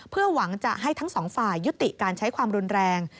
เพื่อหวังจะให้ทั้งสองฝ่ายยุติการใช้ความรุนแรง